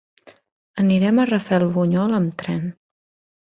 Anirem a Rafelbunyol amb tren.